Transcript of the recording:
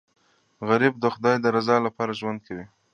غریب د خدای د رضا لپاره ژوند کوي